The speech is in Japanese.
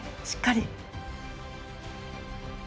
しっかり。